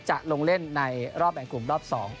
จะลงเล่นในรอบแบ่งกลุ่มรอบ๒